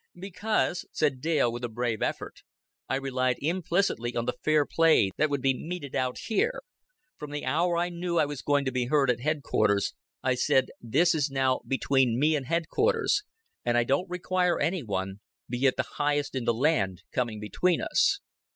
"Because," said Dale, with a brave effort, "I relied implicitly on the fair play that would be meted out here. From the hour I knew I was to be heard at headquarters, I said this is now between me and headquarters, and I don't require any one be it the highest in the land coming between us."